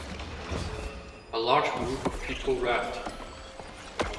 A large group of people rafting.